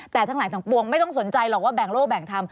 แต่ทั้งหลายทั้งปวงไม่ต้องสนใจหรอกว่าแบ่งโลกแบ่งทำ